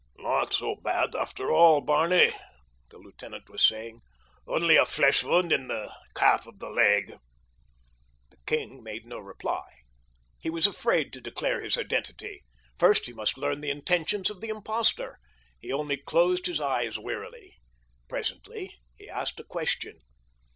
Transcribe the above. "Not so bad, after all, Barney," the lieutenant was saying. "Only a flesh wound in the calf of the leg." The king made no reply. He was afraid to declare his identity. First he must learn the intentions of the impostor. He only closed his eyes wearily. Presently he asked a question.